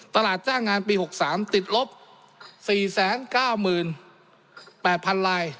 ตลาดจ้างงานปี๖๓ติดลบ๔๙๘๐๐๐ลาย